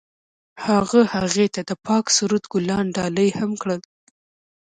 هغه هغې ته د پاک سرود ګلان ډالۍ هم کړل.